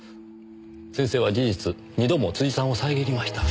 先生は事実２度も辻さんを遮りました。